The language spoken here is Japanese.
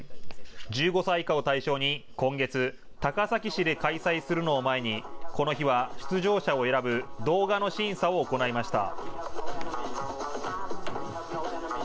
１５歳以下を対象に今月、高崎市で開催するのを前にこの日は出場者を選ぶ動画の審査を行いました。